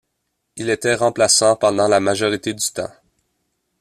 Il était remplaçant pendant la majorité du temps.